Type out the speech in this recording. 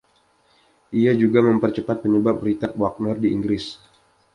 Ia juga mempercepat penyebab Richard Wagner di Inggris.